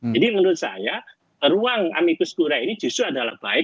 jadi menurut saya ruang amicus curia ini justru adalah baik